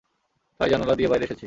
তাই জানালা দিয়ে বাইরে এসেছি।